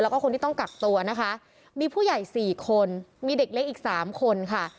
แล้วก็คนที่ต้องกักตัวนะคะมีผู้ใหญ่๔คนมีเด็กเล็กอีกสามคนค่ะ